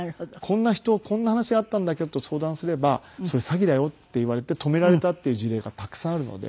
こんな人こんな話あったんだけどと相談すれば「それ詐欺だよ」って言われて止められたっていう事例がたくさんあるので。